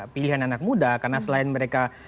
pilihan anak muda karena selain mereka